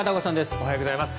おはようございます。